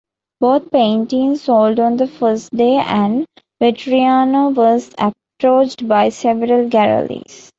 Both paintings sold on the first day and Vettriano was approached by several galleries.